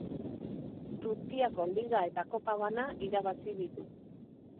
Turkiako Liga eta Kopa bana irabazi ditu.